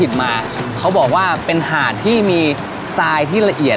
แล้วถิดมาเขาบอกว่าเป็นหาดที่มีไซด์ที่ละเอียด